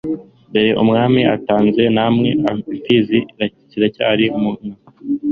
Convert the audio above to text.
dore umwami atanze, namwe imfizi iracyari mu nka